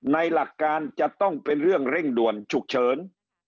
หลักการจะต้องเป็นเรื่องเร่งด่วนฉุกเฉิน